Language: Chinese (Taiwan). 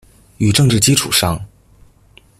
與政治基礎上